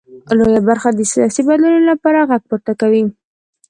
لویه برخه د سیاسي بدلونونو لپاره غږ پورته کوي.